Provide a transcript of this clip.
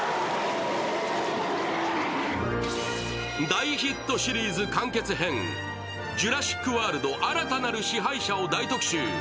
大ヒットシリーズ完結編、「ジュラシック・ワールド／新たなる支配者」を大特集。